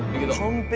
完璧。